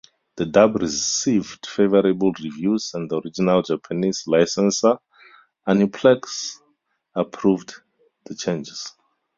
The dub received favorable reviews and the original Japanese licensor, Aniplex, approved the changes.